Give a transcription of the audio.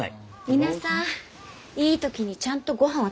皆さんいい時にちゃんとごはんは食べてくださいね。